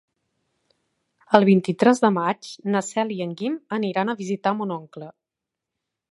El vint-i-tres de maig na Cel i en Guim aniran a visitar mon oncle.